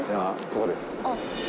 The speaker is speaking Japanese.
ここです。